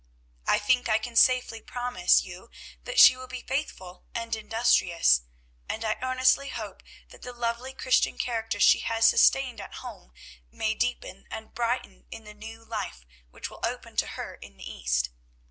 I think I can safely promise you that she will be faithful and industrious; and I earnestly hope that the lovely Christian character she has sustained at home, may deepen and brighten in the new life which will open to her in the East.